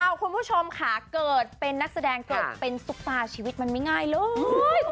เพื่อนผู้ชมขาเกิดเป็นนักแสดงการเป็นซูปปลาชีวิตมันไม่ง่ายเลย